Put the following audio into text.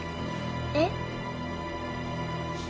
えっ？